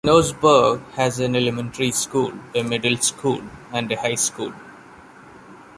Enosburgh has an elementary school, a middle school, and a high school.